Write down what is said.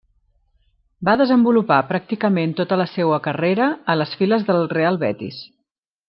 Va desenvolupar pràcticament tota la seua carrera a les files del Real Betis.